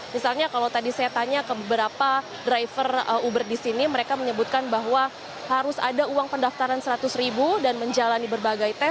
misalnya kalau tadi saya tanya ke beberapa driver uber di sini mereka menyebutkan bahwa harus ada uang pendaftaran seratus ribu dan menjalani berbagai tes